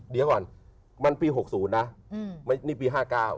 เดี๋ยวก่อนมันปี๖๐นะนี่ปี๕๙